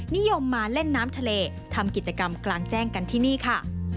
นิยมมาเล่นน้ำทะเลทำกิจกรรมกลางแจ้งกันที่นี่ค่ะ